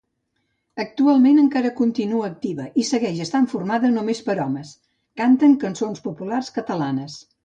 Actualment encara continua activa, i segueix estant formada només per homes, canten cançons populars catalanes.